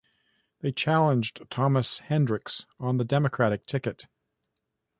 They challenged Thomas Hendricks on the Democratic ticket.